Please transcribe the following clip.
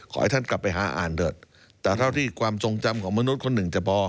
ขอให้ท่านกลับไปหาอ่านเถอะแต่เท่าที่ความทรงจำของมนุษย์คนหนึ่งจะพอ